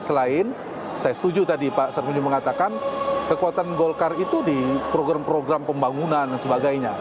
selain saya setuju tadi pak sarmudji mengatakan kekuatan golkar itu di program program pembangunan